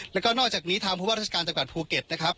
แล้วก็นอกจากนี้ทางผู้ว่าราชการจังหวัดภูเก็ตนะครับ